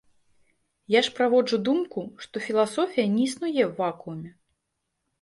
Я ж праводжу думку, што філасофія не існуе ў вакууме.